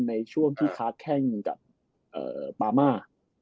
ในช่วงที่ค้าแข้งกับปามา